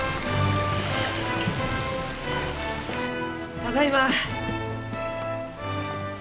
ただいま！